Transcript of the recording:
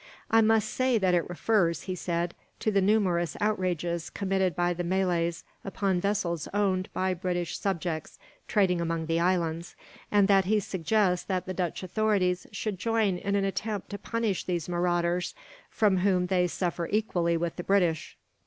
"I may say that it refers," he said, "to the numerous outrages, committed by the Malays, upon vessels owned by British subjects trading among the islands; and that he suggests that the Dutch authorities should join in an attempt to punish these marauders, from whom they suffer equally with the British."